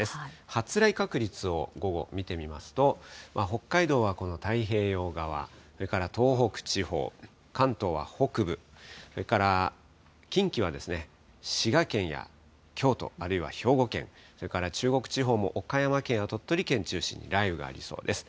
発雷確率を午後、見てみますと、北海道はこの太平洋側、それから東北地方、関東は北部、それから近畿は滋賀県や京都、あるいは兵庫県、それから中国地方も岡山県や鳥取県を中心に雷雨がありそうです。